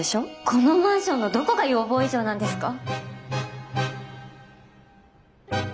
このマンションのどこが要望以上なんですか？